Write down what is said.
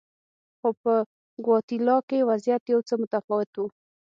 خو په ګواتیلا کې وضعیت یو څه متفاوت و.